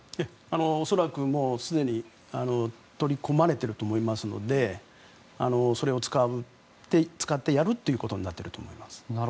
恐らく、すでに取り込まれていると思いますのでそれを使って、やるということになっていると思います。